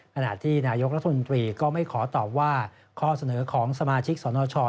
ขณะที่นายกรัฐมนตรีก็ไม่ขอตอบว่าข้อเสนอของสมาชิกสนช